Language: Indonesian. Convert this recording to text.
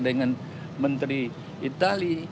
dengan menteri itali